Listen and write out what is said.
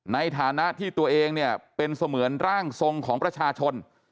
ในฐานะที่ตัวเองเนี่ยเป็นเสมือนร่างทรงของประชาชน